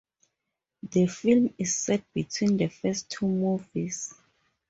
The film is set between the first two movies.